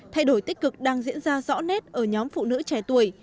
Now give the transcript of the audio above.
thay đổi tích cực đang diễn ra rõ nét ở nhóm phụ nữ trẻ tuổi